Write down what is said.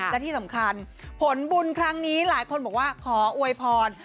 และที่สำคัญผลบุญครั้งนี้หลายคนบอกว่าขออวยพร